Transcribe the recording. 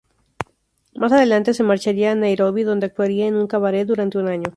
Más adelante se marcharía a Nairobi donde actuaría en un cabaret durante un año.